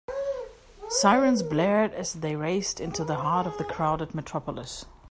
Sirens blared as they raced into the heart of the crowded metropolis.